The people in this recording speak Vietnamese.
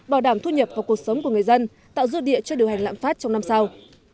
bảo đảm thu nhập vào cuộc sống của người dân tạo dự địa cho điều hành lãng phát trong năm sau